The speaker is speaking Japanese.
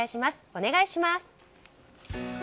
お願いします。